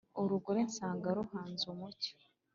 urugore nsanga ruhunze umucyo,